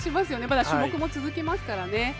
まだ種目も続きますからね。